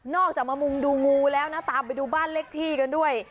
อกจากมามุงดูงูแล้วนะตามไปดูบ้านเลขที่กันด้วย